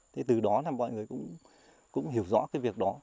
thế từ đó là mọi người cũng hiểu rõ cái việc đó